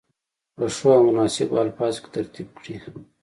په ښو او مناسبو الفاظو کې ترتیب کړي.